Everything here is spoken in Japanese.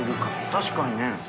確かにね。